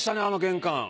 あの玄関。